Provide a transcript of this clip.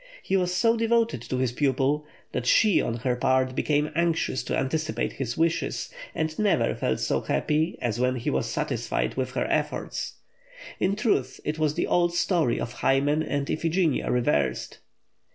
He was so devoted to his pupil, that she on her part became anxious to anticipate his wishes, and never felt so happy as when he was satisfied with her efforts. In truth it was the old story of Hymen and Iphigenia reversed.